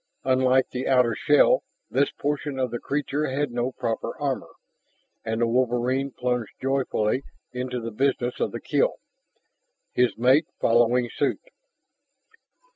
Unlike the outer shell, this portion of the creature had no proper armor and the wolverine plunged joyfully into the business of the kill, his mate following suit.